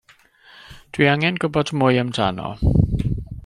Dwi angen gwybod mwy amdano.